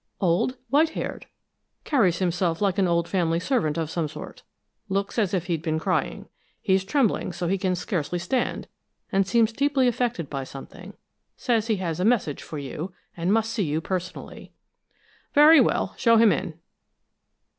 "Old, white haired, carries himself like an old family servant of some sort. Looks as if he'd been crying. He's trembling so he can scarcely stand, and seems deeply affected by something. Says he has a message for you, and must see you personally." "Very well. Show him in."